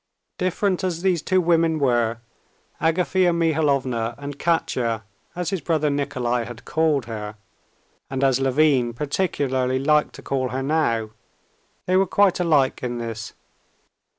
Different as those two women were, Agafea Mihalovna and Katya, as his brother Nikolay had called her, and as Levin particularly liked to call her now, they were quite alike in this.